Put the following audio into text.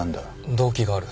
動機がある。